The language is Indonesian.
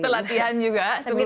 kita latihan juga sebelum ini